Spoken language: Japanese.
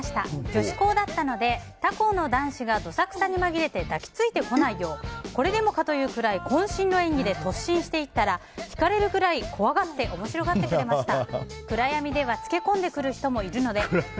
女子校だったので他校の男子がどさくさに紛れて抱き付いてこないようこれでもかというくらい渾身の演技で突進していったら引かれるくらい怖がって面白がってくれました。